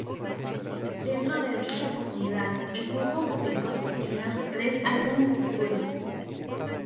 Dentro de dicha comunidad el grupo publicó sus primeros tres álbumes de estudio.